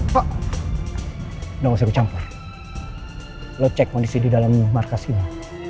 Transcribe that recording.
pak nggak usah bercampur lo cek kondisi di dalam markas ini